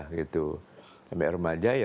gitu sampai remaja ya